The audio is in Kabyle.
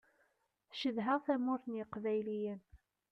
Cedhaɣ tamurt n yiqbayliyen.